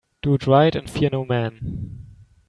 Do right and fear no man.